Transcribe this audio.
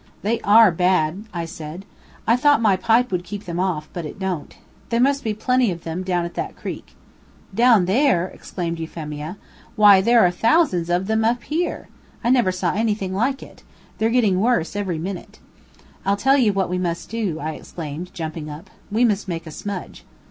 "They ARE bad," I said. "I thought my pipe would keep them off, but it don't. There must be plenty of them down at that creek." "Down there!" exclaimed Euphemia. "Why there are thousands of them here! I never saw anything like it. They're getting worse every minute." "I'll tell you what we must do," I exclaimed, jumping up. "We must make a smudge."